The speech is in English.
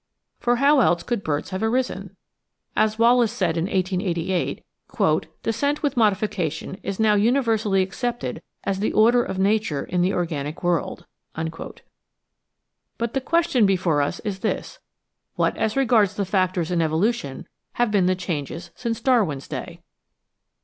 For how else could Birds have arisen? As Wallace said in 1888, ''Descent with modification is now imiversally accepted as the order of nature in the organic world." But the question before us is this: What, as regards the factors in evolution, have been the changes since Darwin's day?